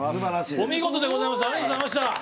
お見事でございました。